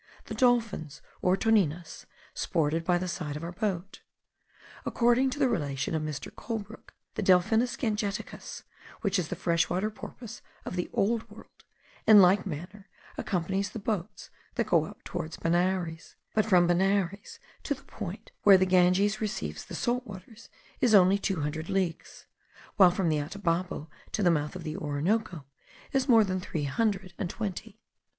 The dolphins, or toninas, sported by the side of our boat. According to the relation of Mr. Colebrooke, the Delphinus gangeticus, which is the fresh water porpoise of the Old World, in like manner accompanies the boats that go up towards Benares; but from Benares to the point where the Ganges receives the salt waters is only two hundred leagues, while from the Atabapo to the mouth of the Orinoco is more than three hundred and twenty.